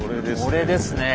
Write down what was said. これですねえ。